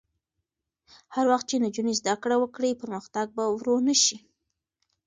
هر وخت چې نجونې زده کړه وکړي، پرمختګ به ورو نه شي.